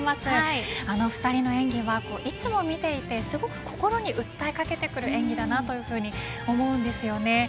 あの２人の演技はいつも見ていてすごく心に訴えかけてくる演技だと思うんですよね